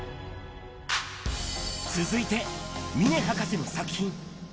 続いて、峰博士の作品。